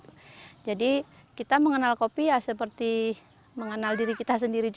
kami mengenal kopi seperti mengenal diri kita sendiri